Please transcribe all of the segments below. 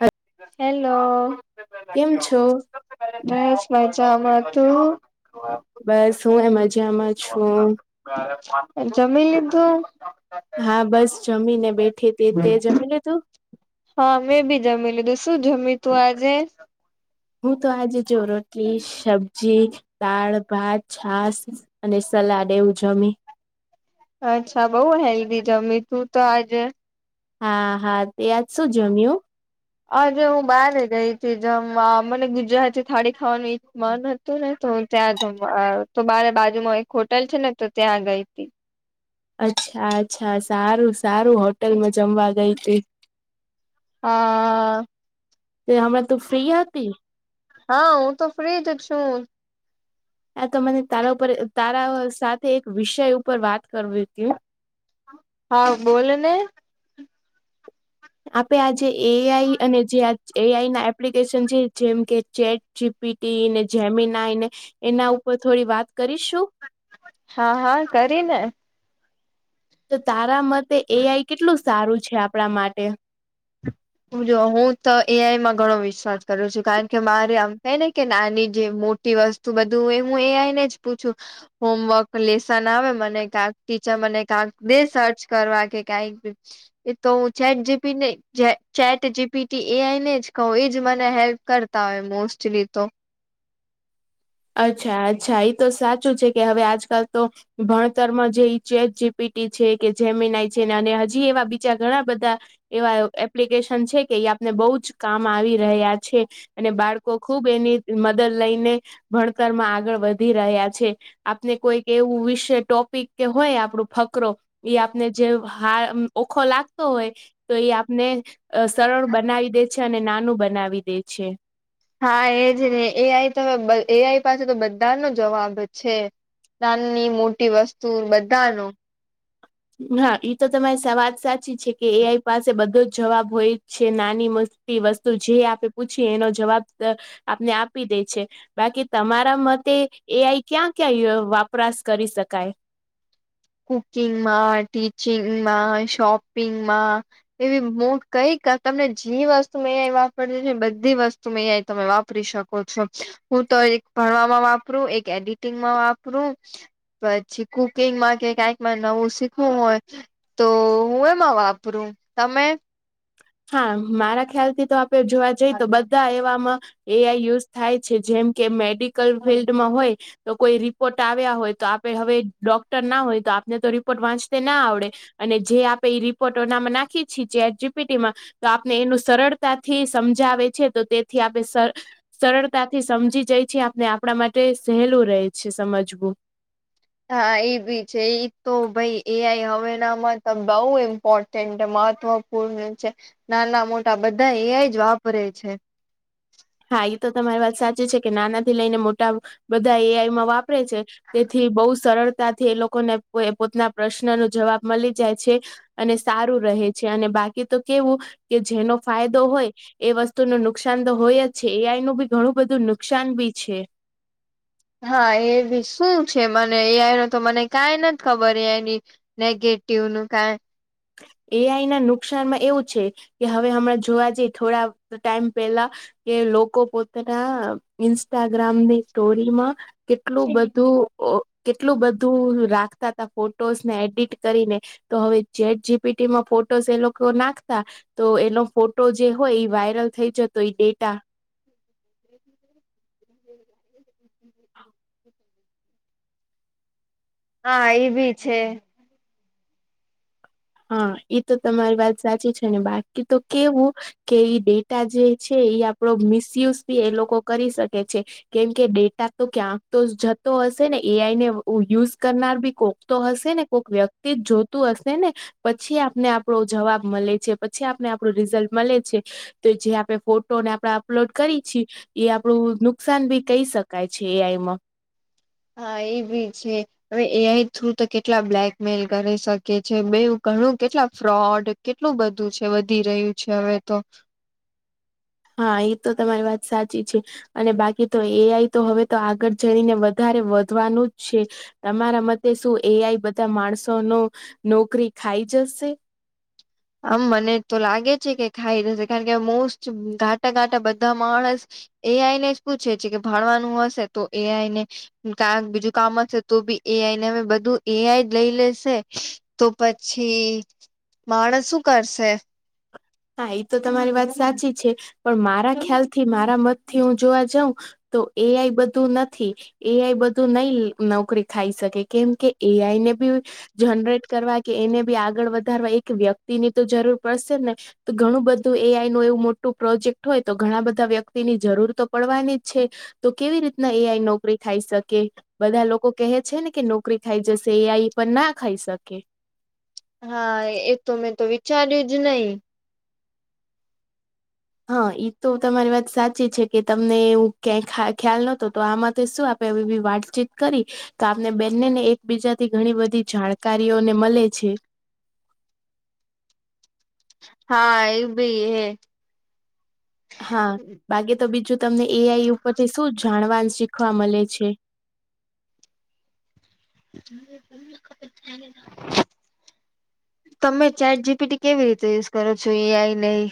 હ હેલો કેમ છો બસ મજામાં તું. બસ હું એ મજામાં છું. જમી લીધું. હા બસ જમી ને બેઠી તે તે જમી લીધુ હા મેં બી જમી લીધું શું જમી તું આજે. હું તો આજે જો રોટી સબ્જી દાળ ભાત છાસ અને સલાડ એવું જમી અચ્છા બઉ હેલ્ધી જમી તું તો આજે. હા હા તે આજ શું જમ્યું. બાર ગઈ હતી જમવા મને ગુજરાતી થાળી ખાવાનું મન હતું ને તો ત્યાં જમ તો બારે બાજુમાં એક હોટલ છે ને તો ત્યાં ગઈ હતી. અચ્છા અચ્છા સારું સારું હોટલમાં જમવા ગઈ હતી. હા તે હમણાં તું ફ્રી હતી. હા હું તો ફ્રી જ છું. આ તો મને તારા ઉપર તારા સાથે એક વિષય ઉપર વાત કરવી હતી, હા બોલો ને આપે આજે એઆઈ અને જે એઆઈ ના એપ્લ, [inaudible] જેમ કે ચેટ જીપીટી ને જેમી નાયને, એના ઉપર થોડી વાત કરીશું, હા હા કરીને, તો તારા મતે એઆઈ કેટલું સારું છે, આપણા માટે જો હું તો એઆઈમાં ઘણો વિશ્વાસ કરું છું. કારણ કે મારે આમ થાય ને કે નાની જે મોટી વસ્તુ, તું બધું એ હું એ આઈ નેજ પૂછું હોમવર્ક, લેસન આવે મને કાક ટીચર મને કાક દે સર્ચ કરવા કે કાઈક... એ તો હું [unintelligible] પીટી એઆઈ ને જ કહું એજ મને હેલ્પ કરતા હોય મોસ્ટલી તો, અચ્છા, અચ્છા એ તો સાચું છે, કે હવે આજકાલ તો ભણતરમાં જે ઈ ચેટ પીટી છે કે જેમેનાઈ છે હજી એવા બીજા ઘણા બધા એવા [unintelligible] પેશન્ટ છે છે કે ઈ આપને બહું જ કામ આવી રહ્યા છે. અને બાળકો ખુબ એની... દલ લઈને ભણતરમાં આગળ વધી રહ્યા છે, આપને કોઈક એવું વિષ ટોપ... પિક કે હોય આપણું ફકરો એ આપને જે હા ઓખો લાગતો હોય... તો ઈ આપણે સરળ બનાવી દે છે. અને નાનું બનાવી દે છે. હા એજ ને એ આઈ તો બધ એઆઈ પાસે તો બધા નો જવાબ છે. નાની મોટી વસ્તુ બધાનો હા ઇતો તમારી સવા વાત સાચી છે, કે એ આઈ પાસે બધો જ જવાબ હોય છે નાની મો ટી વસ્તુ જે આપે પૂછીએ એનો જવાબ આપણને આપી દે છે. બાકી તમારા મતે એઆઈ ક્યાં ક્યાં [inaudible] વાપરાશ કરી શકાય? કુકિંગમાં, ટીચિંગમાં, શોપિંગમાં,.. એવી મ [unintelligible] કઈ તમને જેી વસ્તુ મે વાપર બધી વસ્ત... તમે એઆઈ તમે વાપરી શકો છો હું તો એક... ભણવામાં વાપરું એક એડિટિંગમાં વાપરું પછી કુકિંગમાં [unintelligible] ક્યાંક નવું શીખવું હોય તો હું એમાં વાપરું તમે... હા મારા ખ્યાલ થી તો આપે જોવા જઈએ તો બધા એવામાં... એઆઈ યુઝ થાય છે, જેમ કે મેડિકલ ફિલ્ડમાં હોય... તો કોઈ રિપોર્ટ આવ્યા હોય તો આપે હવે ડોક્ટર ના હોય તો આપને તો રિપોર્ટ વાંચ... તા ના આવડે અને જે આપે એ રિપોર્ટોનામાં નાખી છી ચેટ જીપી... તેમાં તો આપને એનું સરળતાથી સમજાવે છે તો તે... થી આપણે સર સરળતાથી સમજી જય છી આપને... આપણા માટે સહેલું રહે છે, સમજવું. હા એ બી છે, એ તો ભાઈ... એઆઈ હવેનામાં તો બહું ઇમ્પોર્ટન્ટ મહત્વપૂર્ણ છે. નાના મોટા બધા એઆઇ ય જ વાપરે છે. હા ઈ તો તમારી વાત સાચી છે, કે નાના થી લઈને મોટી... ટાવ બધા એઆઈમાં વાપરે છે, તેથી બહુ સરળતાથી એ લોકોને... એ પોતના પ્રશ્ન નો જવાબ મલી જાય છે, અને સારું રહે છે, અને બાક.. એ તો કેવું કે જેનો ફાયદો હોય, એ વસ્તુ નો નુકસાન તો હોય જ,... જે છે. એઆઈ નું પણ ઘણું બધું નુકસાન બી છે. હા એ ભી શું છે? મને એઆઈ તો મને કાઈ નથી ખબર એઈની... નેગેટીવ નું કાઈ... એઆઈ ના નુકસાનમાં એવું છે, કે હવે હમણાં જોવા જઈ થોડા ટાઈમ પેલા... કે લોકો પોતાના ઇન્સ્ટાગ્રામની સ્ટોરીમાં... એટલું બધું.. કેટલું બધું રાખતા હતા કે ફોટોસને એડિટ કરીને તો હવે... ચેટ જીપીટી માં ફોટોસ એ લોકો નાખતા. તો એનો ફોટો જે હોય એ વાયરલ થઈ જતો ઈ ડેટા. [inaudible] [inaudible] હા એભી છે. હા એ તો તમારી વાત સાચી છે ને બાકી તો કેવું. કે ઈ ડેટા જે છે એ આપડો મિસયુઝ એ લોકો. કરી શકે છે કેમ કે ડેટા. તો ક્યાંક તો જતો હશે ને એઆઈને યુઝ કરનાર બી કોક. તો હશે ને કોઈક વ્યક્તિ જ જોતું હશે ને પછી આપને આપણો જવાબ મળ. મળે છે પછી આપને આપણું રિઝલ્ટ મળે છે તો જે આપણે ફોટોને આપણે અપલોડ કરી છી. એ આપડું નુકસાન ભી કહી શકાય છે એઆઈમાં. હા એભી છે. હવે એઆઈ થ્રુ તો કેટલા બ્લેકમેલ કરી શકે છે બે ઘણું કેટલા ફ્રોડ. કેટલું બધું છે વધી રહ્યું છે હવે તો. હા એ તો તમારી વાત સાચી છે. અને બાકી તો એઆઈ તો હવે તો આગળ જણીને વધારે વધવાનું જ છે. તમારા મતે શું એઆઈ બધા માણસો ન નોકરી ખાઈ જશે. આમ મને તો લાગે છે કે ખાઈ જશે કારણ કે મોસ્ટ ઘાટા ઘાટા બધા માણસ. એ આઈ ને જ પૂછે છે કે ભાણવાનું હશે તો એ આઈ ને. કારણ બીજું કામ હશે તો બી એઆઈ ને અમે બધું એઆઈ જ લઈ લેશે. તો પછી માણસ શું કરશે. હા એ તો તમારી વાત સાચી છે પણ મારા ખ્યાલ થી મારા મતથી હું જોવા જઉં. તો એ આઈ બધું નથી. એ આઈ બધું નઈ નોકરી ખાઈ શકે કેમ કે એ આઈ ને બી. જનરેટ કરવા કે એને બી આગળ વધારવા એક વ્યક્તિ ની તો જરૂર પડશે ને. ઘણું બધું એ આઈ નું એવું મોટું પ્રોજેક્ટ હોય તો ઘણા બધા વ્યક્તિની જરૂર તો પડવાની જ છે. તો કેવી રીતના એ આઈ નોકરી થાય શકે. બધા લોકો કહે છે ને કે નોકરી ખાઈ જશે એ આ એ પણ ના ખાઈ શકે. હા એતો મેં તો વિચાર્યુંજ નહી. હા તો તમારી વાત સાચી છે કે તમને એવું ક્યાંય ખ્યાલ નહતો તો આમાં શું આપ. બી વાતચીત કરી. તો આપને બેનને ને એકબીજાથી ઘણી બધી જાણકારીઓને મળે છે. [unintelligible] હા એવુંભી હે. હા બાકી તો બીજું તમને એ આઈ ઉપરથી શું જાણવાન શીખવા મળે છે. તમે ચાર જીબી ટ. કેવી રીતે યુઝ કરો છો એયાય નહીં.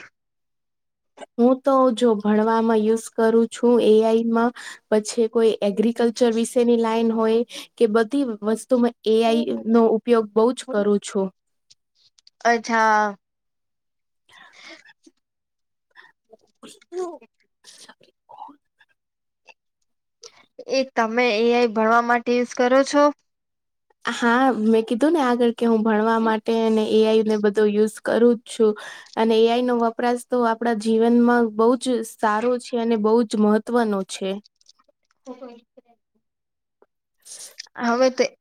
હું તો જો ભણવામાં યુઝ કરું છું એઆઈમાં. પછી કોઈ એગ્રીિકલ્ચર વિશેની લાઈન હોય કે બધી વસ્તુમાં. એ આઈ નો ઉપયોગ બહુજ કરું છું. અચ્છા. [inaudible] એ એક તમે એ આઈ ભણવા માટે યુઝ કરો છો. [inaudible] હા મેં કીધું ને આગળ કે હું ભણવા માટે અને એ આઈ ને બધો યુઝ કરું જ છું. અને એઆઈ નો વપરાશ તો આપણા જીવનમાં બહુજ સારો છે અને બહુજ મહ. તત્વનું છે. [unintelligible] હ. હતે [unintelligible]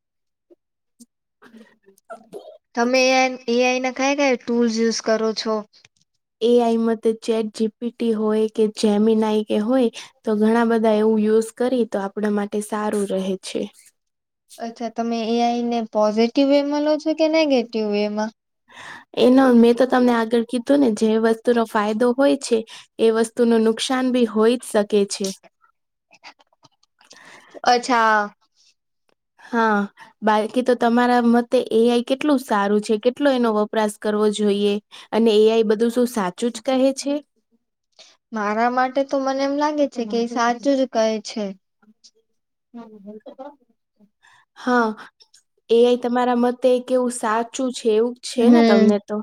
હ [inaudible] તમે એ આ એઆઈ ના કઈ કઈ ટૂલ્સ યુઝ કરો છો? એ આઈમાં ચેટ જીપીટી હોય કે જેમીનાઆઈ કે હોય તો ઘણા બધા એવું યુઝ કરયે તો આપણા માટે સારું રહે છે. અચ્છા તમે એ આઈને પોઝિટિવ વે માં લો છો કે નેગેટિવ વે માં? એમાં મેં તો તમને આગળ કીધું અને જે વસ્તુનો ફાયદો હોય છે એ વસ્તુ નો નુકસાન બી હોઈ જ શકે છે. અચ્છા. હા બાકી તો તમારા મતે એ આઈ કેટલું સારું છે, કેટલુ એનો વપ વપરાશ કરવો જોઈએ અને એ આઈ બધું શું સાચું જ કહે છે? મારા માટે તો મને એમ લાગે છે કે એ સાચું જ કહે છે. [unintelligible] તો હા એ આઈ તમારા મતે કેવું સાચું છે એવું છે ને હમ તમને? તો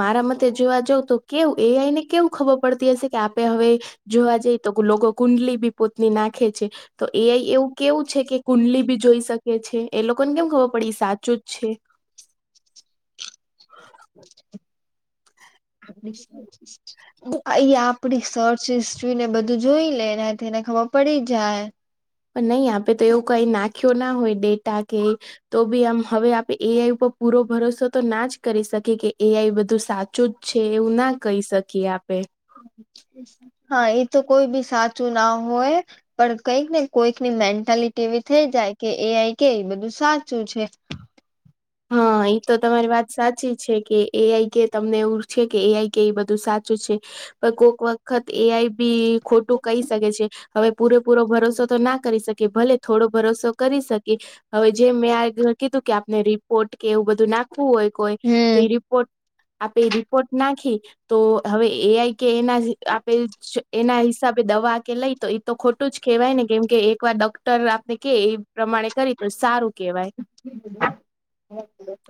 મારા મતે જોવા જઉ તો કેવું એ આઈ ને કેવું ખબર પડતી હશે કે આપડે હવે જોવા જઈએ તો લોકો કુંડલી બી પોતની નાખે છે. તો એ આઇ એવું કેવું છે કે કુંડલી બી જોઈ શકે છે એ લોકોને કેમ ખબર પડી એ સાચું જ છે? એ આપડી સચ સિસ્વીને બધું જોઈ લે એનાથી એને ખબર પડી જાય. પણ નય આપડે તો એવું કઈ નાખ્યો ના હોય ડેટા કે તો બી આમ હવે કે એ આઈ ઉપર પૂરો ભરોસો તો ના જ કરી શકે કે એ આઈ બધું સાચું જ છે એવું ના કહી શકે. કે આપડે. [inaudible] હા એ તો કોઈ બી સાચું ના હોય પણ કંઈક ને કોઈક ની મેન્ટાલિટી એવી થઈ જાય કે એ આઈ કે બધું સાચું છે. હા ઈ તો તમારી વાત સાચી છે કે એ આઈ કે તમને એવું છે કે એ આઈ કે એ બધું સાચું છે પણ કોક વાત વખત એ આઈ બી ખોટું કહી શકે છે. હવે પૂરેપૂરો ભરોસો તો ના કરી શકે ભલે થોડો ભરોસો કરી શકે. હવે જે મેં આ કીધું કે આપને રી રીપોર્ટ કે એવું બધું નાખવું હોય કોઈ તો હમ એ રિપોર્ટ આપડી રિપોર્ટ નાખી તો હવે એ આઈ કે એમાં જ આપેલ એના હિસાબે દવા કે લઈ તો ઈ તો ખોટું જ કહેવાય ને કેમ કે એકવાર ડોક્ટર આપને કેય પ્રમાણે કરયે તો સારું કેવાય.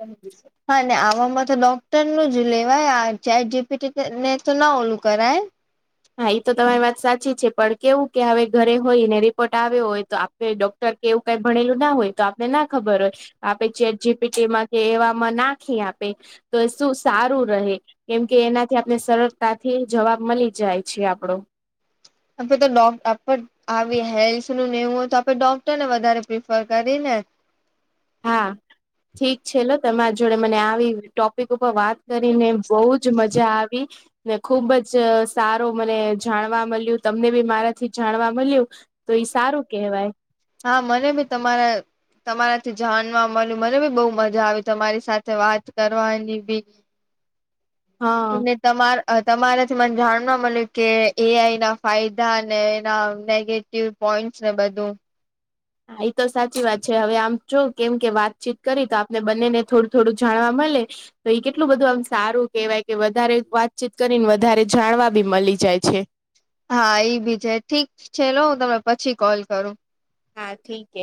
હાજી સર. હા ને આવામાં તો ડોક્ટર નું જ લેવાય આ ચેટ જીપીટીને ના ઓલું કરાય. હા ઈ તો તમારી વાત સાચી છે પણ કેવું કે હવે ઘરે હોયને રિપોર્ટ આવ્યો હોય તો આપડે ડોક્ટર કે એવું કઈ ભણેલું ના હોય તો આપને ના ખબર હોય આપે ચેટ જીપીટી માં કે એવામાં નાખી આપે. તો એ શું સારું રહે. કેમ કે એનાથી આપણ ને સરળતાથી જવાબ મળી જાય છે આપડો. અમતો તો લો આપડું આવી હેલ્થ નું નેવું તો આપણે ડોક્ટરને વધારે પ્રિફર કરયે ને. હા ઠીક છે લો તમારા જોડે મને આવી ટોપિક ઉપર વાત કરીને બો જ મજા આવી ને ખુબ જ સારો મને જાણવા મળ્યું તમને બી મારાથી જાણવા મળ્યું તો ઈ સારું કહેવાય. હા મને બી તમારા તમારા થી જાણવા મળ્યું મને બી બો મજા આવી તમારી સાથે વાત કરવાની બી [inaudible] હા. [inaudible] તમાર તમારેથી મને જાણવા મળ્યું કે એ આઈ ના ફાયદા અને એના નેગેટિવ પોઈન્ટસ ને બધું હા ઈ તો સાચી વાત છે હવે આમ જો કેમ કે વાતચીત કરયે તો આપને બંનેને થોડું થોડું જાણવા મળે. તો ઈ કેટલું બધું આમ સારું કેહવાય કે વધારે વાતચીત કરીને વધારે જાણવા બી મળી જાય છે. હા એઈ ભી છે ઠીક છેલો હું તમે પછી કોલ કરું હા ઠીકે